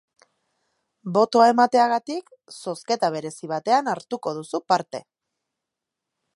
Botoa emateagatik zozketa berezi batean hartuko duzu parte.